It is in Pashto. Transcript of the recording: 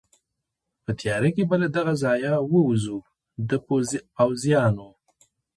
په تېاره کې به له دغه ځایه ووځو، د پوځیانو.